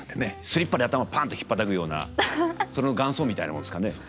スリッパで頭パンとひっぱたくようなその元祖みたいなもんですかね。